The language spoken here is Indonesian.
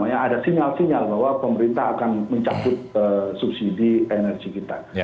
ada sinyal sinyal bahwa pemerintah akan mencabut subsidi energi kita